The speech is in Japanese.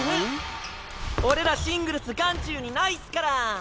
俺らシングルス眼中にないっスから。